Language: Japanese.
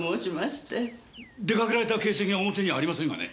出かけられた形跡が表にありませんがね。